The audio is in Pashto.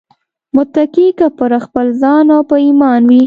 متکي که پر خپل ځان او په ايمان وي